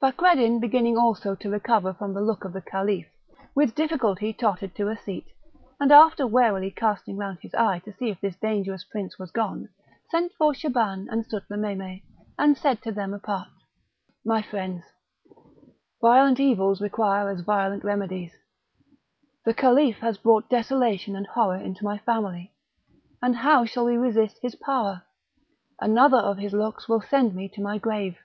Fakreddin beginning also to recover from the look of the Caliph, with difficulty tottered to a seat, and after warily casting round his eye to see if this dangerous prince was gone, sent for Shaban and Sutlememe, and said to them apart: "My friends! violent evils require as violent remedies; the Caliph has brought desolation and horror into my family, and how shall we resist his power? another of his looks will send me to my grave.